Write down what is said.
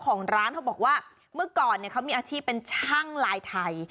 ของร้านเขาบอกว่าเมื่อก่อนเนี่ยเขามีอาชีพเป็นช่างลายไทย